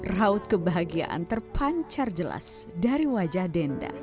raut kebahagiaan terpancar jelas dari wajah denda